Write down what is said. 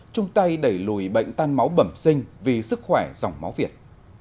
trung tây đẩy lùi bệnh tan máu bẩm sinh vì sức khỏe dòng máu việt